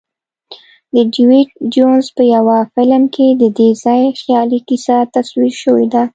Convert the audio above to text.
د ډیویډ جونز په یوه فلم کې ددې ځای خیالي کیسه تصویر شوې ده.